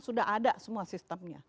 sudah ada semua sistemnya